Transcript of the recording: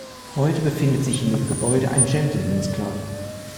Heute befindet sich in dem Gebäude ein „Gentlemen’s Club“.